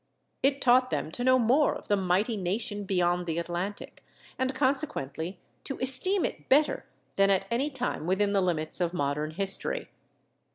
It taught them to know more of the mighty nation beyond the Atlantic, and consequently to esteem it better than at any time within the limits of modern history.